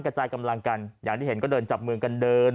กระจายกำลังกันอย่างที่เห็นก็เดินจับมือกันเดิน